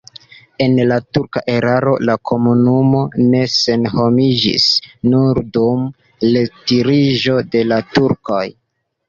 En la turka erao la komunumo ne senhomiĝis, nur dum retiriĝo de la turkoj.